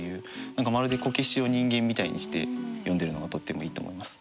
何かまるでこけしを人間みたいにして詠んでるのがとってもいいと思います。